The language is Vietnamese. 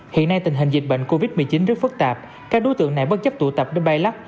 hiện nay tình hình dịch bệnh covid một mươi chín rất phức tạp các đối tượng này bất chấp tụ tập bên bay lắc